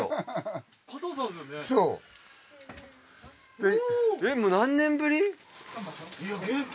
えっ何年ぶり？元気？